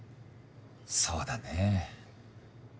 そうだね。